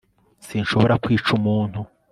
sinshobora kwica umuntu